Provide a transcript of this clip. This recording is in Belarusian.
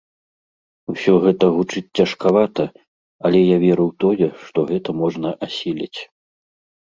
Усё гэта гучыць цяжкавата, але я веру ў тое, што гэта можна асіліць.